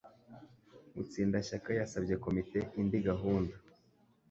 Mutsindashyaka yasabye komite indi gahunda